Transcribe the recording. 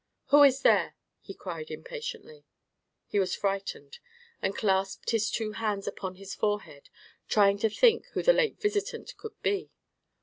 "Who is there?" he cried, impatiently. He was frightened, and clasped his two hands upon, his forehead, trying to think who the late visitant could be.